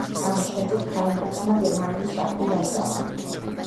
ამის შემდეგ ჰაინრიხმა გერმანიის ტახტი დაიკავა.